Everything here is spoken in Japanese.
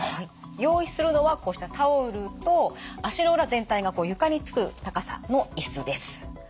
用意するのはこうしたタオルと足の裏全体が床につく高さの椅子です。